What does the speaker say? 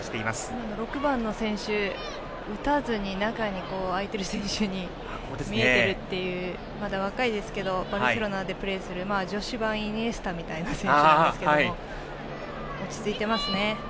今の６番の選手、打たずに中の空いている選手が見えているというまだ若い選手ですけどバルセロナでプレーする女子版イニエスタみたいな選手なんですけど落ち着いていますね。